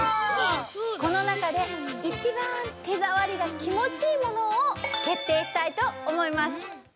この中でいちばん手触りが気持ちいいものを決定したいと思います！